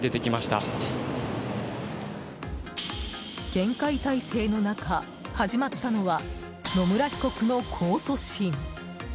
厳戒態勢の中、始まったのは野村被告の控訴審。